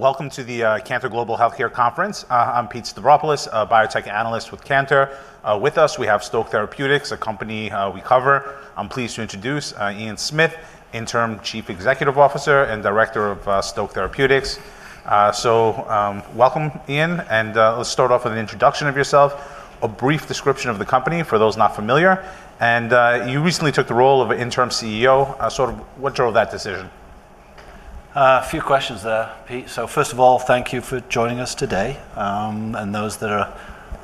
Welcome to the Cantor Global Healthcare Conference. I'm Pete Stavropoulos, a biotech analyst with Cantor. With us, we have Stoke Therapeutics, a company we cover. I'm pleased to introduce Ian Smith, Interim Chief Executive Officer and Director of Stoke Therapeutics. Welcome, Ian. Let's start off with an introduction of yourself, a brief description of the company for those not familiar. You recently took the role of an Interim CEO. What drove that decision? A few questions there, Pete. First of all, thank you for joining us today, and those that are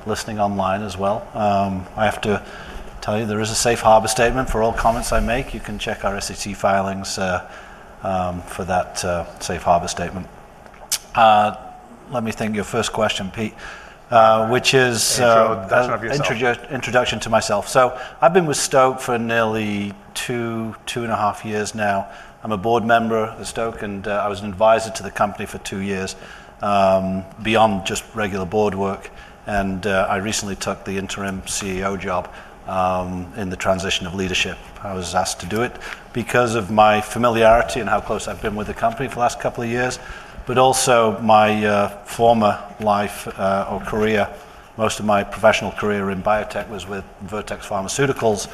listening online as well. I have to tell you, there is a safe harbor statement for all comments I make. You can check our SEC filings for that safe harbor statement. Let me think of your first question, Pete, which is an introduction to myself. I've been with Stoke for nearly two, two and a half years now. I'm a board member of Stoke, and I was an advisor to the company for two years, beyond just regular board work. I recently took the Interim CEO job in the transition of leadership. I was asked to do it because of my familiarity and how close I've been with the company for the last couple of years, but also my former life or career, most of my professional career in biotech was with Vertex Pharmaceuticals .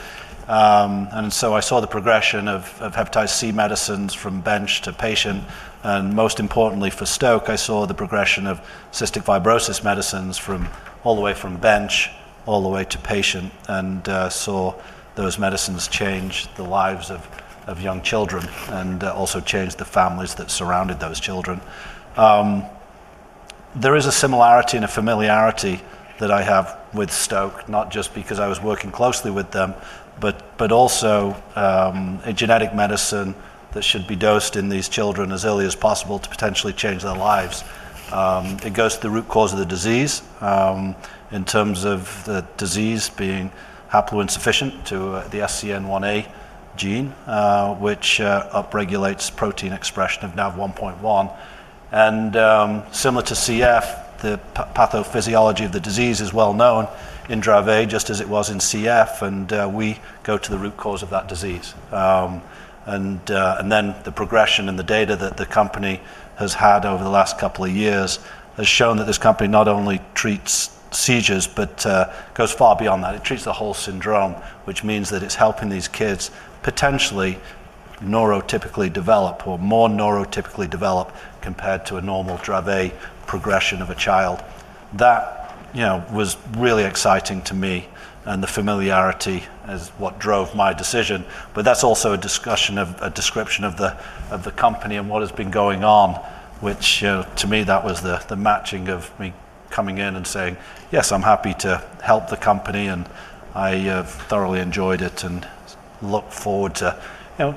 I saw the progression of hepatitis C medicines from bench to patient. Most importantly for Stoke, I saw the progression of cystic fibrosis medicines all the way from bench all the way to patient and saw those medicines change the lives of young children and also change the families that surrounded those children. There is a similarity and a familiarity that I have with Stoke, not just because I was working closely with them, but also a genetic medicine that should be dosed in these children as early as possible to potentially change their lives. It goes to the root cause of the disease in terms of the disease being haploinsufficient to the SCN1A gene, which upregulates protein expression of NaV1.1. Similar to CF, the pathophysiology of the disease is well known in Dravet syndrome, just as it was in CF. We go to the root cause of that disease. The progression and the data that the company has had over the last couple of years has shown that this company not only treats seizures, but goes far beyond that. It treats the whole syndrome, which means that it's helping these kids potentially neurotypically develop or more neurotypically develop compared to a normal Dravet syndrome progression of a child. That was really exciting to me. The familiarity is what drove my decision. That's also a discussion of a description of the company and what has been going on, which to me, that was the matching of me coming in and saying, yes, I'm happy to help the company and I thoroughly enjoyed it and look forward to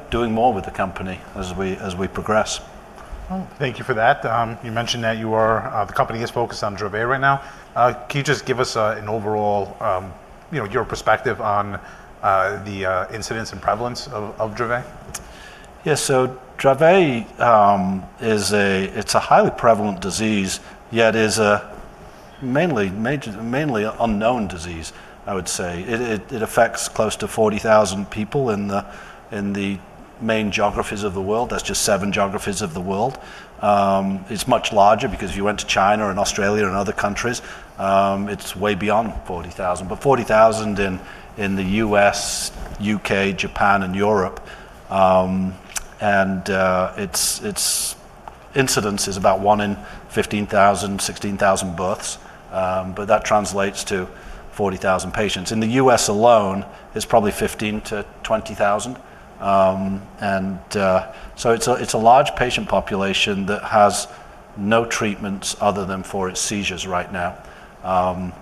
doing more with the company as we progress. Thank you for that. You mentioned that you are, the company is focused on Dravet right now. Can you just give us an overall, you know, your perspective on the incidence and prevalence of Dravet? Yeah, so Dravet is a, it's a highly prevalent disease, yet it's a mainly unknown disease, I would say. It affects close to 40,000 people in the main geographies of the world. That's just seven geographies of the world. It's much larger because if you went to China and Australia and other countries, it's way beyond 40,000. 40,000 in the U.S., U.K., Japan, and Europe. Its incidence is about one in 15,000, 16,000 births. That translates to 40,000 patients. In the U.S. alone, it's probably 15,000 - 20,000. It's a large patient population that has no treatments other than for its seizures right now.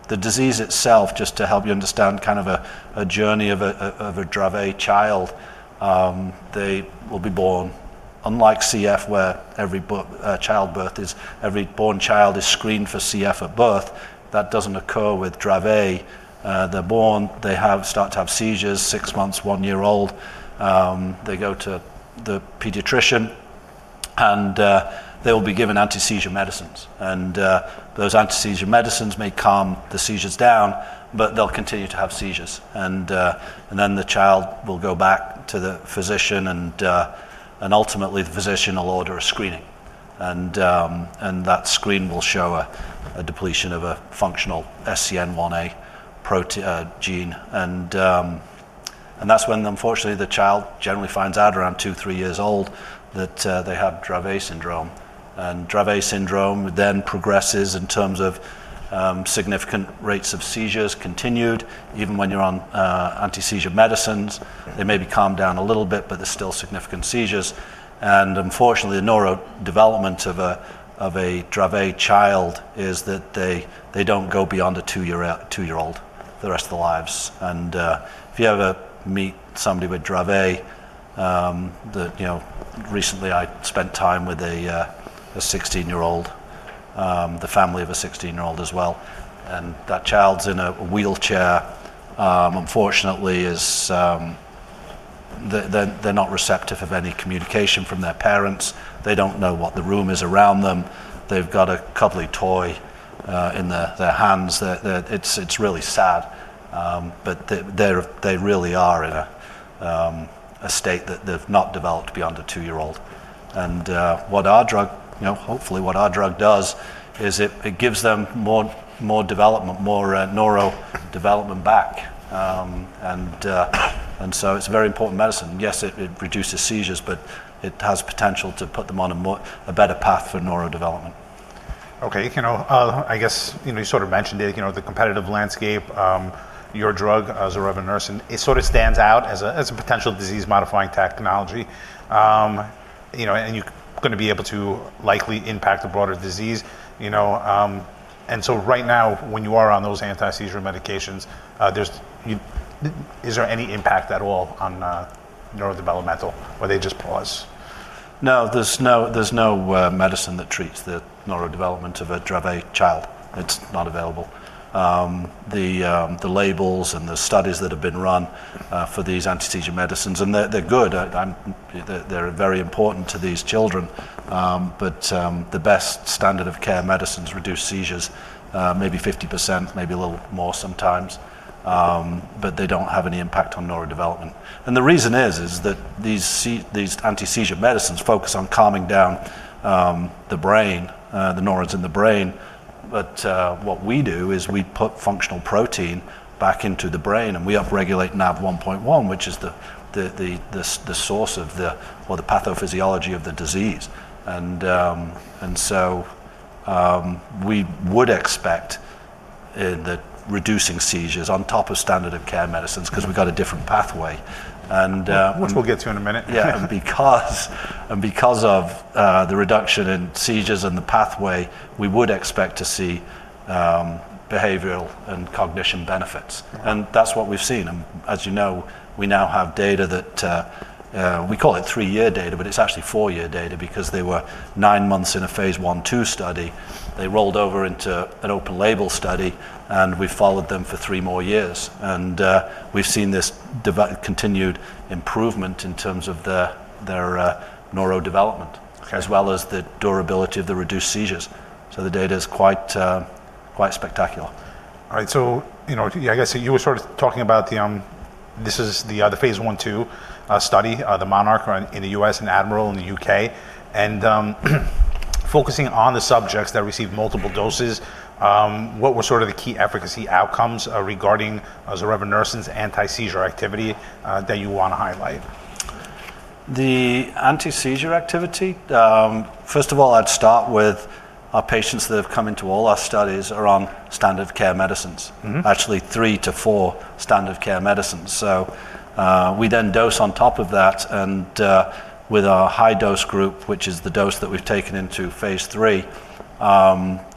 The disease itself, just to help you understand kind of a journey of a Dravet child, they will be born, unlike CF, where every childbirth is, every born child is screened for CF at birth. That doesn't occur with Dravet. They're born, they start to have seizures six months, one year old. They go to the pediatrician and they will be given anti-seizure medicines. Those anti-seizure medicines may calm the seizures down, but they'll continue to have seizures. The child will go back to the physician and ultimately the physician will order a screening. That screen will show a depletion of a functional SCN1A gene. That's when, unfortunately, the child generally finds out around two, three years old that they have Dravet syndrome. Dravet syndrome then progresses in terms of significant rates of seizures continued. Even when you're on anti-seizure medicines, they may be calmed down a little bit, but there's still significant seizures. Unfortunately, the neurodevelopment of a Dravet child is that they don't go beyond a two-year-old for the rest of their lives. If you ever meet somebody with Dravet, recently I spent time with a 16-year-old, the family of a 16-year-old as well. That child's in a wheelchair. Unfortunately, they're not receptive of any communication from their parents. They don't know what the room is around them. They've got a cuddly toy in their hands. It's really sad. They really are in a state that they've not developed beyond a two-year-old. What our drug, you know, hopefully what our drug does is it gives them more development, more neurodevelopment back. It's a very important medicine. Yes, it reduces seizures, but it has the potential to put them on a better path for neurodevelopment. Okay, you know, I guess you sort of mentioned it, you know, the competitive landscape. Your drug, zorevunersen, it sort of stands out as a potential disease-modifying technology. You know, and you're going to be able to likely impact the broader disease. You know, and right now when you are on those anti-seizure medications, is there any impact at all on neurodevelopmental? Or are they just paused? No, there's no medicine that treats the neurodevelopment of a Dravet child. It's not available. The labels and the studies that have been run for these anti-seizure medications, and they're good. They're very important to these children. The best standard of care medicines reduce seizures, maybe 50%, maybe a little more sometimes. They don't have any impact on neurodevelopment. The reason is that these anti-seizure medications focus on calming down the brain, the neurons in the brain. What we do is we put functional protein back into the brain and we upregulate NaV1.1, which is the source of the pathophysiology of the disease. We would expect in reducing seizures on top of standard of care medicines, because we've got a different pathway. Which we'll get to in a minute. Yeah, because of the reduction in seizures and the pathway, we would expect to see behavioral and cognition benefits. That's what we've seen. As you know, we now have data that we call three-year data, but it's actually four-year data because they were nine months in a phase I-II study. They rolled over into an open-label extension study and we've followed them for three more years. We've seen this continued improvement in terms of their neurodevelopment, as well as the durability of the reduced seizures. The data is quite spectacular. All right, you were sort of talking about the phase I-II study, the MONARCH in the U.S. and ADMIRAL in the U.K. Focusing on the subjects that received multiple doses, what were the key efficacy outcomes regarding zorevunersen's anti-seizure activity that you want to highlight? The anti-seizure activity, first of all, I'd start with our patients that have come into all our studies are on standard of care medicines, actually three to four standard of care medicines. We then dose on top of that, and with our high-dose group, which is the dose that we've taken into phase III,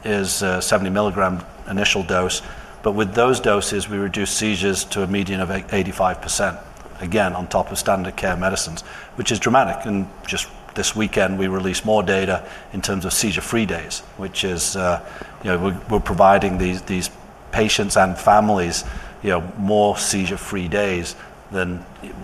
is a 70 mg initial dose. With those doses, we reduce seizures to a median of 85%, again on top of standard of care medicines, which is dramatic. Just this weekend, we released more data in terms of seizure-free days, which is, you know, we're providing these patients and families, you know, more seizure-free days than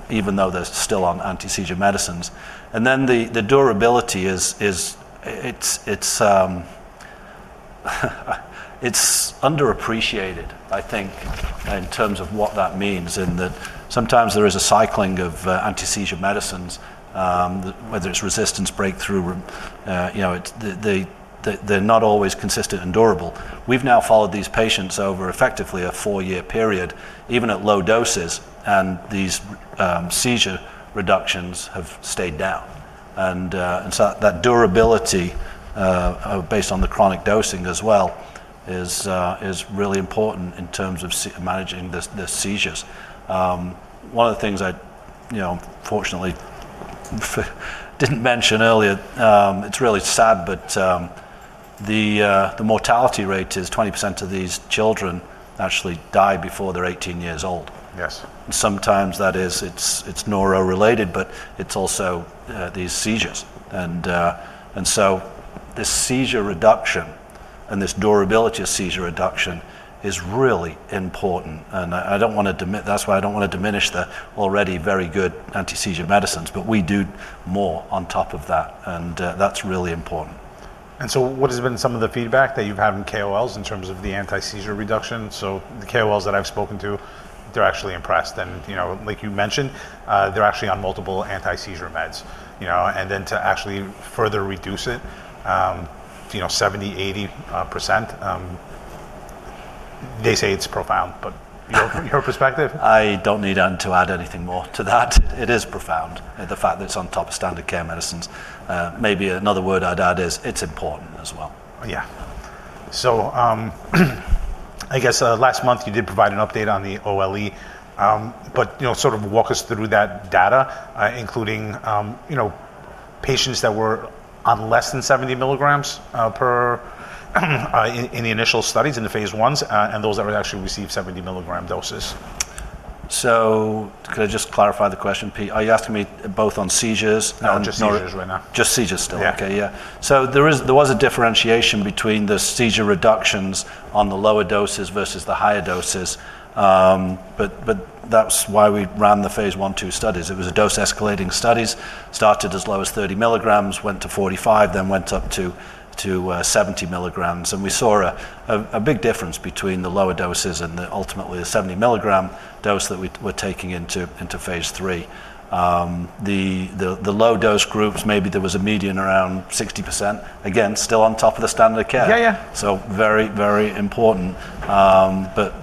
even though they're still on anti-seizure medicines. The durability is, it's underappreciated, I think, in terms of what that means in that sometimes there is a cycling of anti-seizure medicines, whether it's resistance, breakthrough, you know, they're not always consistent and durable. We've now followed these patients over effectively a four-year period, even at low doses, and these seizure reductions have stayed down. That durability, based on the chronic dosing as well, is really important in terms of managing the seizures. One of the things I, you know, unfortunately, didn't mention earlier, it's really sad, but the mortality rate is 20% of these children actually die before they're 18 years old. Yes. Sometimes that is, it's neuro-related, but it's also these seizures. This seizure reduction and this durability of seizure reduction is really important. I don't want to diminish the already very good anti-seizure medications, but we do more on top of that, and that's really important. What has been some of the feedback that you've had in KOLs in terms of the anti-seizure reduction? The KOLs that I've spoken to, they're actually impressed. You know, like you mentioned, they're actually on multiple anti-seizure medications, you know, and then to actually further reduce it, you know, 70%-80%. They say it's profound, but your perspective? I don't need to add anything more to that. It is profound, the fact that it's on top of standard of care medicines. Maybe another word I'd add is it's important as well. Yeah. I guess last month you did provide an update on the OLE, but walk us through that data, including patients that were on less than 70 mg in the initial studies in the phase I-II studies and those that would actually receive 70 mg doses. Could I just clarify the question, Pete? Are you asking me both on seizures? No, just seizures right now. Just seizures still. Okay, yeah. There was a differentiation between the seizure reductions on the lower doses versus the higher doses. That is why we ran the phase I-II studies. It was a dose escalating study, started as low as 30 mg, went to 45 mg, then went up to 70 mg. We saw a big difference between the lower doses and ultimately the 70 mg dose that we were taking into phase III. The low dose groups, maybe there was a median around 60%, again, still on top of the standard of care. Yeah, yeah. It is very, very important.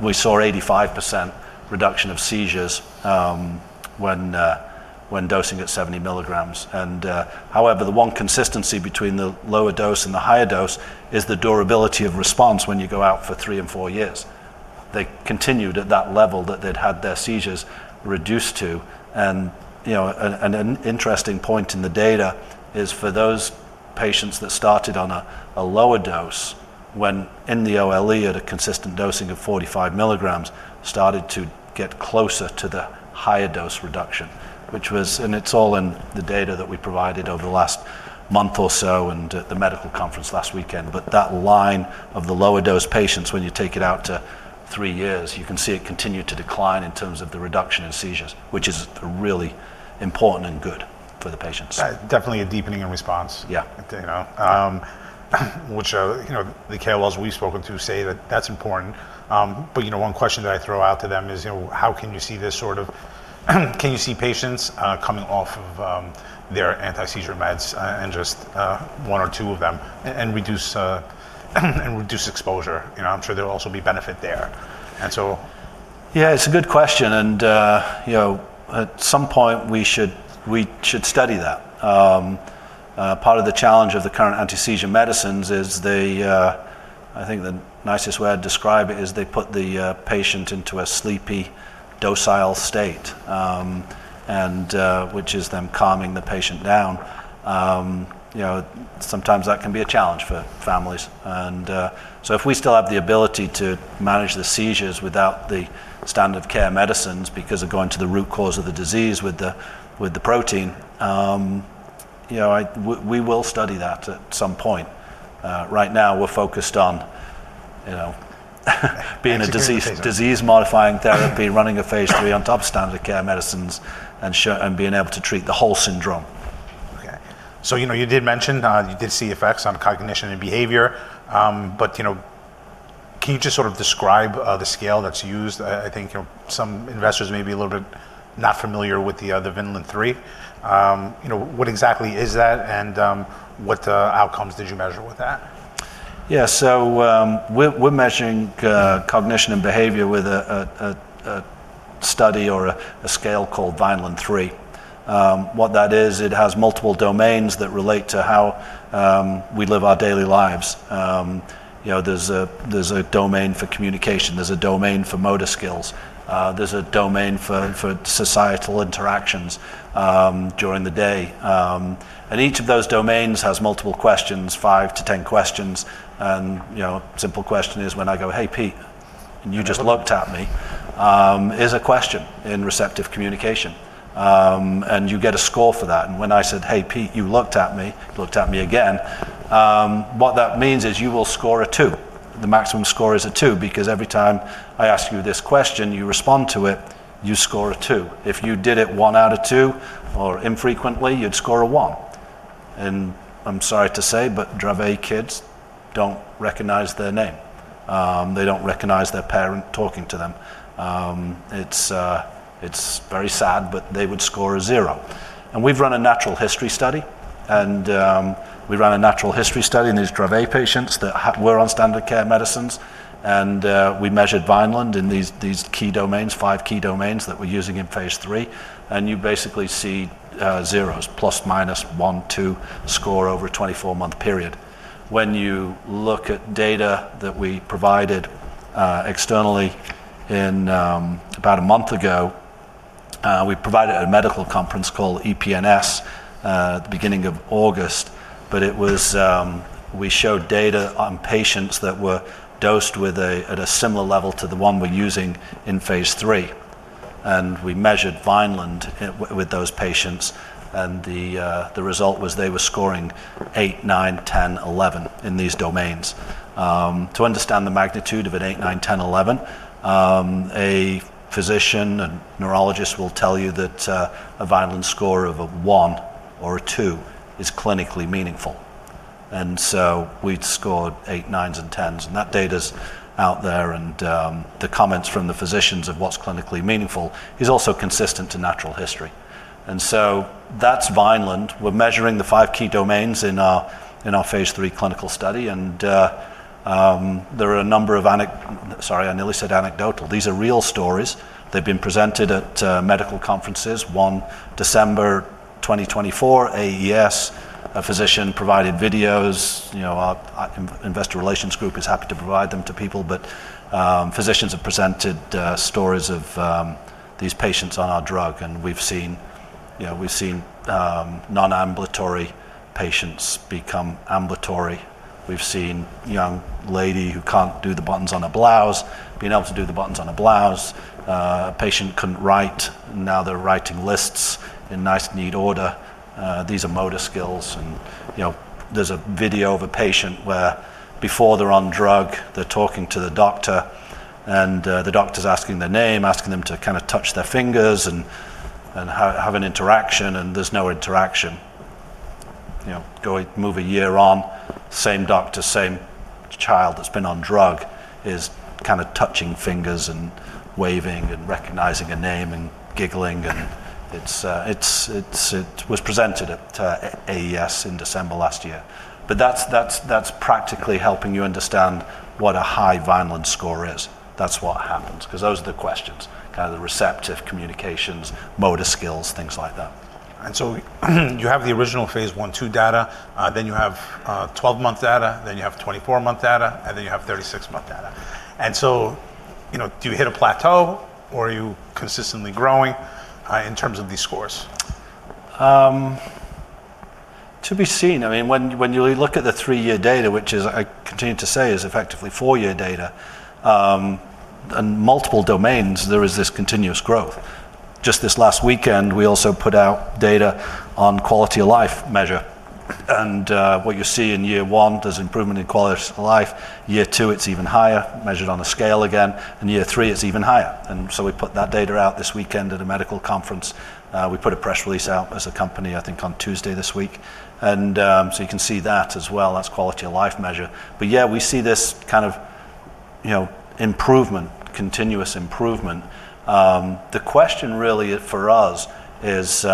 We saw 85% reduction of seizures when dosing at 70 mg. However, the one consistency between the lower dose and the higher dose is the durability of response when you go out for three and four years. They continued at that level that they'd had their seizures reduced to. An interesting point in the data is for those patients that started on a lower dose, when in the open-label extension at a consistent dosing of 45 mg, started to get closer to the higher dose reduction, which was, and it's all in the data that we provided over the last month or so and at the medical conference last weekend. That line of the lower dose patients, when you take it out to three years, you can see it continued to decline in terms of the reduction in seizures, which is really important and good for the patients. Definitely a deepening in response. Yeah. The KOLs we've spoken to say that that's important. One question that I throw out to them is, you know, how can you see this sort of, can you see patients coming off of their anti-seizure medications and just one or two of them and reduce exposure? I'm sure there will also be benefit there. Yeah, it's a good question. At some point we should study that. Part of the challenge of the current anti-seizure medications is they, I think the nicest way I'd describe it is they put the patient into a sleepy, docile state, which is then calming the patient down. Sometimes that can be a challenge for families. If we still have the ability to manage the seizures without the standard of care medicines, because of going to the root cause of the disease with the protein, we will study that at some point. Right now we're focused on being a disease-modifying therapy, running a phase III on top of standard of care medicines and being able to treat the whole syndrome. Okay. You did mention you did see effects on cognition and behavior. Can you just sort of describe the scale that's used? I think some investors may be a little bit not familiar with the Vineland-3. What exactly is that and what outcomes did you measure with that? Yeah, so we're measuring cognition and behavior with a study or a scale called Vineland-3. What that is, it has multiple domains that relate to how we live our daily lives. There's a domain for communication, there's a domain for motor skills, there's a domain for societal interactions during the day. Each of those domains has multiple questions, five-10 questions. A simple question is when I go, "Hey Pete, you just looked at me," is a question in receptive communication. You get a score for that. When I said, "Hey Pete, you looked at me," looked at me again, what that means is you will score a two. The maximum score is a two because every time I ask you this question, you respond to it, you score a two. If you did it one out of two or infrequently, you'd score a one. I'm sorry to say, but Dravet kids don't recognize their name. They don't recognize their parent talking to them. It's very sad, but they would score a zero. We've run a natural history study. We ran a natural history study in these Dravet patients that were on standard of care medicines. We measured Vineland-3 in these key domains, five key domains that we're using in phase III. You basically see zeros, ± one, ±two score over a 24-month period. When you look at data that we provided externally about a month ago, we provided at a medical conference called EPNS at the beginning of August. We showed data on patients that were dosed at a similar level to the one we're using in phase III. We measured Vineland-3 with those patients. The result was they were scoring eight, nine, 10, 11 in these domains. To understand the magnitude of an eight, nine, 10, 11 a physician and neurologist will tell you that a Vineland-3 score of a one or a two is clinically meaningful. We'd scored eight, nines, and 10s. That data's out there. The comments from the physicians of what's clinically meaningful is also consistent to natural history. That's Vineland. We're measuring the five key domains in our phase III clinical study. There are a number of, these are real stories. They've been presented at medical conferences. One December 2024, (AES), a physician provided videos. Our investor relations group is happy to provide them to people. Physicians have presented stories of these patients on our drug. We have seen non-ambulatory patients become ambulatory. We have seen a young lady who can't do the buttons on her blouse being able to do the buttons on her blouse. A patient couldn't write; now they're writing lists in nice, neat order. These are motor skills. There is a video of a patient where before they're on drug, they're talking to the doctor, and the doctor's asking their name, asking them to kind of touch their fingers and have an interaction, and there's no interaction. Move a year on, same doctor, same child that's been on drug is kind of touching fingers and waving and recognizing a name and giggling. It was presented at (AES) in December last year. That is practically helping you understand what a high Vineland-3 score is. That is what happens, because those are the questions, kind of the receptive communications, motor skills, things like that. You have the original phase I-II data, then you have 12-month data, then you have 24-month data, and then you have 36-month data. Do you hit a plateau or are you consistently growing in terms of these scores? To be seen. I mean, when you look at the three-year data, which is, I continue to say, is effectively four-year data, in multiple domains, there is this continuous growth. Just this last weekend, we also put out data on quality of life measure. What you see in year one, there's improvement in quality of life. Year two, it's even higher, measured on a scale again. Year three, it's even higher. We put that data out this weekend at a medical conference. We put a press release out as a company, I think, on Tuesday this week. You can see that as well as quality of life measure. We see this kind of improvement, continuous improvement. The question really for us is,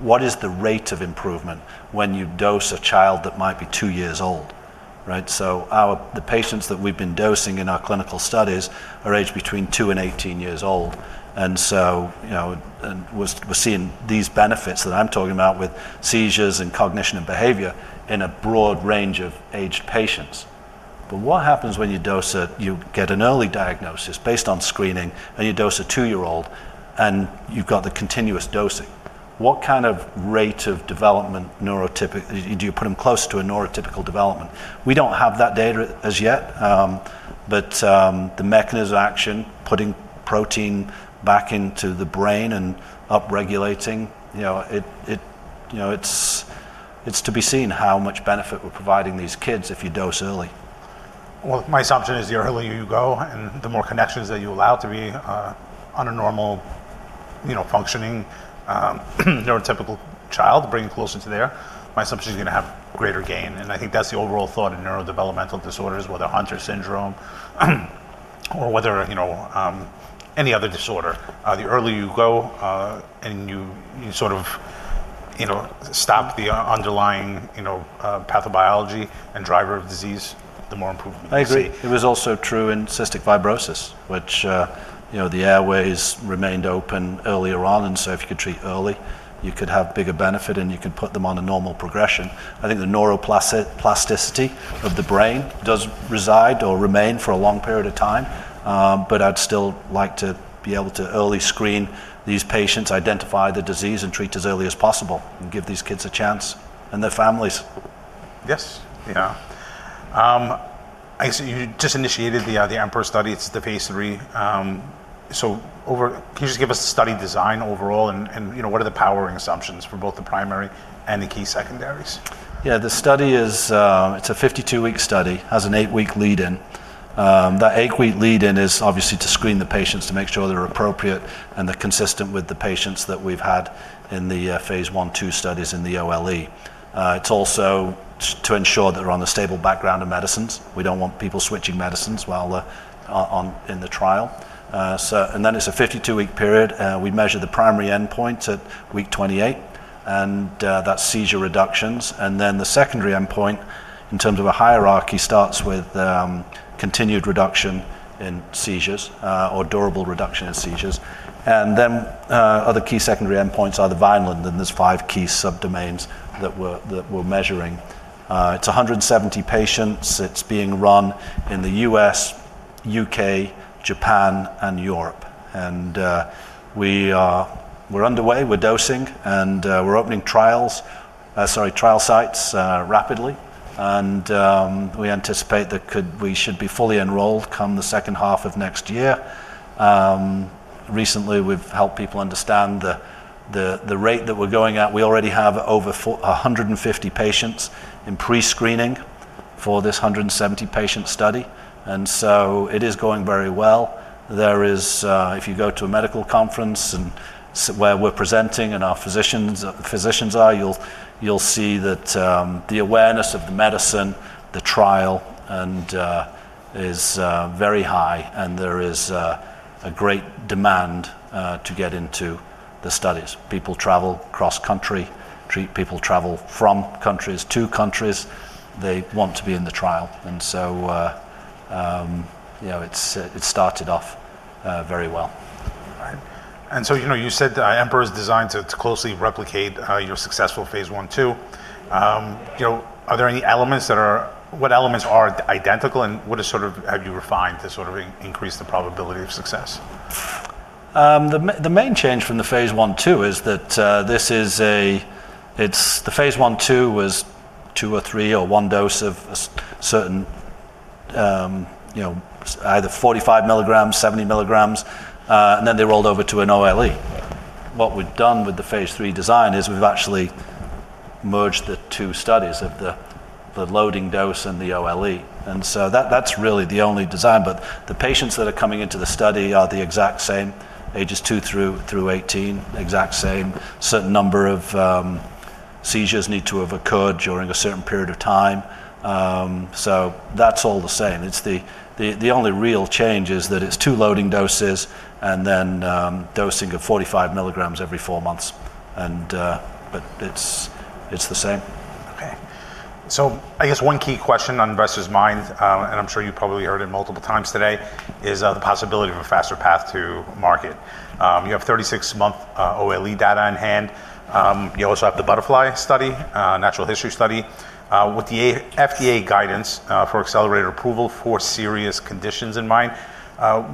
what is the rate of improvement when you dose a child that might be two years old? The patients that we've been dosing in our clinical studies are aged between two and 18 years old. We're seeing these benefits that I'm talking about with seizures and cognition and behavior in a broad range of age patients. What happens when you dose it, you get an early diagnosis based on screening and you dose a two-year-old and you've got the continuous dosing? What kind of rate of development neurotypical, do you put them close to a neurotypical development? We don't have that data as yet. The mechanism of action, putting protein back into the brain and upregulating, it's to be seen how much benefit we're providing these kids if you dose early. My assumption is the earlier you go and the more connections that you allow to be on a normal, you know, functioning neurotypical child, bringing closer to there, my assumption is you're going to have greater gain. I think that's the overall thought in neurodevelopmental disorders, whether Hunter syndrome or whether, you know, any other disorder. The earlier you go and you sort of, you know, stop the underlying, you know, pathobiology and driver of disease, the more improvement. I agree. It was also true in cystic fibrosis, which, you know, the airways remained open earlier on. If you could treat early, you could have bigger benefit and you could put them on a normal progression. I think the neuroplasticity of the brain does reside or remain for a long period of time. I'd still like to be able to early screen these patients, identify the disease and treat as early as possible and give these kids a chance and their families. Yes, yeah. I guess you just initiated the AMBER study. It's the phase III. Can you just give us the study design overall, and what are the powering assumptions for both the primary and the key secondaries? Yeah, the study is a 52-week study, has an eight-week lead-in. That eight-week lead-in is obviously to screen the patients to make sure they're appropriate and they're consistent with the patients that we've had in the phase I-II studies in the open-label extension. It's also to ensure that they're on a stable background of medicines. We don't want people switching medicines while they're in the trial. It's a 52-week period. We measure the primary endpoint at week 28 and that's seizure reductions. The secondary endpoint in terms of a hierarchy starts with continued reduction in seizures or durable reduction in seizures. Other key secondary endpoints are the Vineland-3 and there's five key subdomains that we're measuring. It's 170 patients. It's being run in the U.S., U.K., Japan, and Europe. We're underway, we're dosing and we're opening trial sites rapidly. We anticipate that we should be fully enrolled come the second half of next year. Recently, we've helped people understand the rate that we're going at. We already have over 150 patients in pre-screening for this 170-patient study. It is going very well. If you go to a medical conference where we're presenting and our physicians are, you'll see that the awareness of the medicine, the trial, is very high. There is a great demand to get into the studies. People travel cross-country, people travel from countries to countries. They want to be in the trial. It started off very well. You said that the AMBER study is designed to closely replicate your successful phase I-II. Are there any elements that are, what elements are identical and what have you refined to increase the probability of success? The main change from the phase I-II is that this is a, the phase I-II was two or three or one dose of a certain, you know, either 45 mg, 70 mg, and then they rolled over to an open-label extension. What we've done with the phase III design is we've actually merged the two studies of the loading dose and the open-label extension. That's really the only design change. The patients that are coming into the study are the exact same, ages two through 18, the exact same, a certain number of seizures need to have occurred during a certain period of time. That's all the same. The only real change is that it's two loading doses and then dosing of 45 mg every four months. It's the same. Okay. I guess one key question on investors' minds, and I'm sure you've probably heard it multiple times today, is the possibility of a faster path to market. You have 36-month OLE data in hand. You also have the BUTTERFLY study, natural history study, with the FDA guidance for accelerated approval for serious conditions in mind,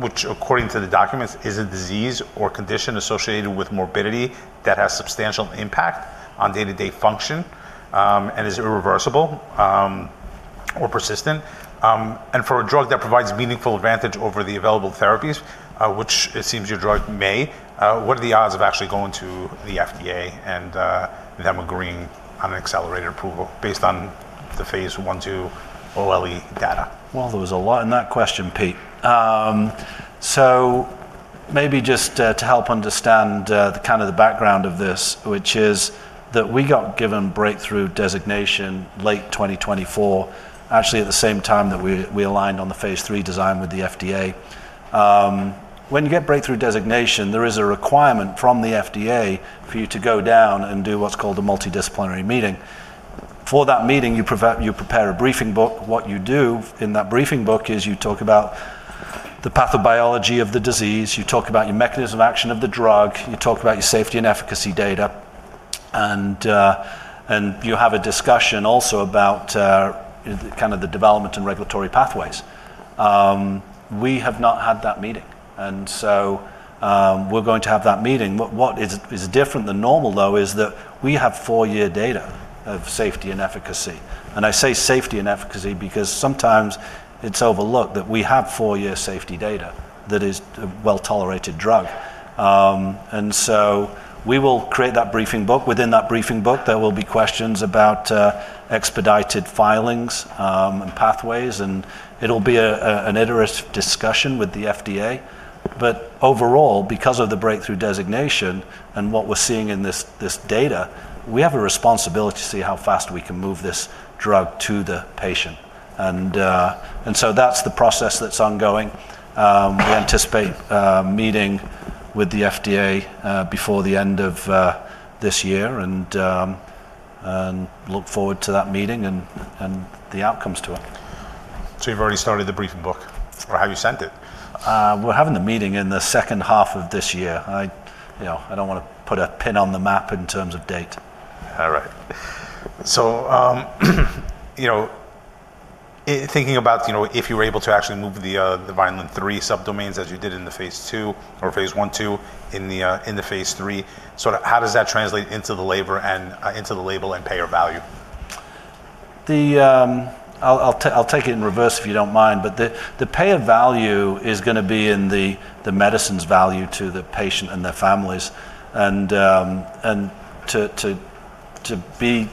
which according to the documents is a disease or condition associated with morbidity that has substantial impact on day-to-day function and is irreversible or persistent. For a drug that provides meaningful advantage over the available therapies, which it seems your drug may, what are the odds of actually going to the FDA and them agreeing on an accelerated approval based on the phase I-II OLE data? There was a lot in that question, Pete. Maybe just to help understand the background of this, which is that we got given breakthrough therapy designation late 2024, actually at the same time that we aligned on the phase III design with the FDA. When you get breakthrough therapy designation, there is a requirement from the FDA for you to go down and do what's called a multidisciplinary meeting. For that meeting, you prepare a briefing book. What you do in that briefing book is you talk about the pathobiology of the disease, you talk about your mechanism of action of the drug, you talk about your safety and efficacy data, and you have a discussion also about the development and regulatory pathways. We have not had that meeting. We are going to have that meeting. What is different than normal though is that we have four-year data of safety and efficacy. I say safety and efficacy because sometimes it's overlooked that we have four-year safety data that is a well-tolerated drug. We will create that briefing book. Within that briefing book, there will be questions about expedited filings and pathways, and it'll be an interesting discussion with the FDA. Overall, because of the breakthrough therapy designation and what we're seeing in this data, we have a responsibility to see how fast we can move this drug to the patient. That is the process that's ongoing. We anticipate meeting with the FDA before the end of this year and look forward to that meeting and the outcomes to it. You've already started the briefing book for how you sent it? We're having a meeting in the second half of this year. I don't want to put a pin on the map in terms of date. All right. Thinking about if you were able to actually move the Vineland-3 subdomains as you did in the phase II or phase I-II in the phase III, how does that translate into the label and payer value? I'll take it in reverse if you don't mind, but the payer value is going to be in the medicine's value to the patient and their families. To be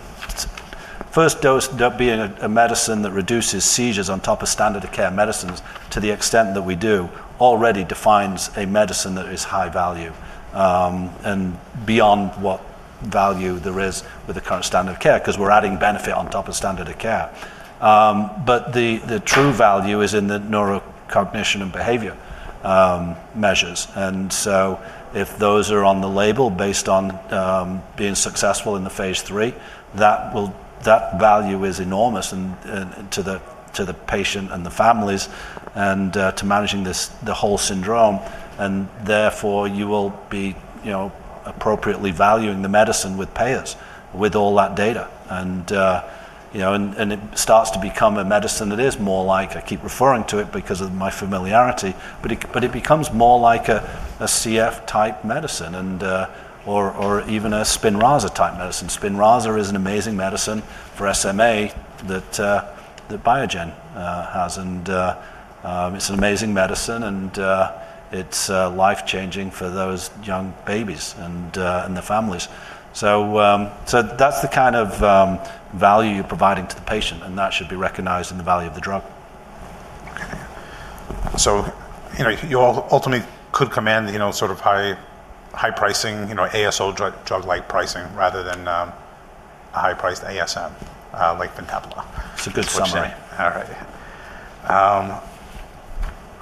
first dose, being a medicine that reduces seizures on top of standard of care medicines, to the extent that we do, already defines a medicine that is high value. Beyond what value there is with the current standard of care, because we're adding benefit on top of standard of care. The true value is in the neurocognition and behavior measures. If those are on the label based on being successful in the phase III, that value is enormous to the patient and the families and to managing the whole syndrome. Therefore you will be, you know, appropriately valuing the medicine with payers with all that data. It starts to become a medicine that is more like, I keep referring to it because of my familiarity, but it becomes more like a CF-type medicine or even a Spinraza-type medicine. Spinraza is an amazing medicine for SMA that Biogen has. It's an amazing medicine and it's life-changing for those young babies and their families. That's the kind of value you're providing to the patient and that should be recognized in the value of the drug. You ultimately could command, you know, sort of high pricing, you know, ASO drug-like pricing rather than a high-priced ASM like (Ventapa). It's a good question.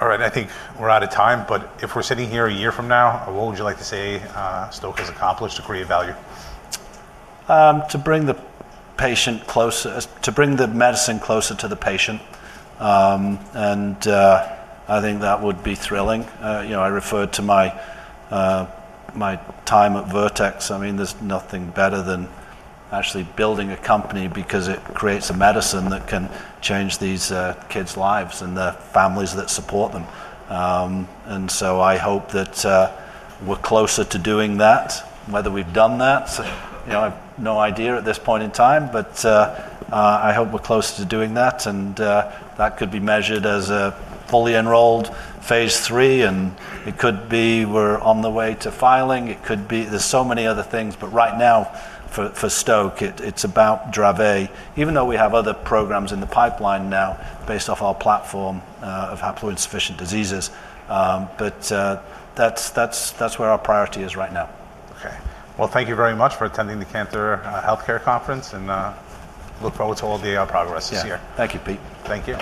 All right. I think we're out of time, but if we're sitting here a year from now, what would you like to say Stoke has accomplished to create value? To bring the patient closer, to bring the medicine closer to the patient. I think that would be thrilling. I referred to my time at Vertex. There is nothing better than actually building a company because it creates a medicine that can change these kids' lives and the families that support them. I hope that we're closer to doing that, whether we've done that. I have no idea at this point in time, but I hope we're closer to doing that. That could be measured as a fully enrolled phase III. It could be we're on the way to filing. There are so many other things, but right now for Stoke, it's about Dravet, even though we have other programs in the pipeline now based off our platform of haploinsufficient diseases. That's where our priority is right now. Thank you very much for attending the Cantor Healthcare Conference and look forward to all the progress this year. Thank you, Pete. Thank you.